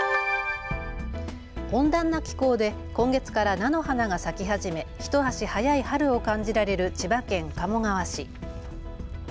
温暖な気候で今月から菜の花が咲き始め、一足早い春を感じられる千葉県鴨川市。